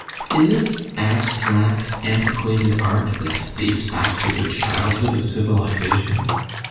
In this abstract, antiquated art that dates back to the childhood of civilisation?